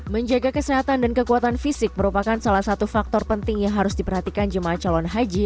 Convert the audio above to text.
menjaga kesehatan dan kekuatan fisik merupakan salah satu faktor penting yang harus diperhatikan jemaah calon haji